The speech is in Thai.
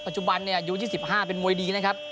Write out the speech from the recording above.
จุบันอายุ๒๕เป็นมวยดีนะครับ